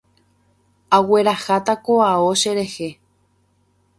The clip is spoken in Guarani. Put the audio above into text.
Agueraháta ko ao cherehe.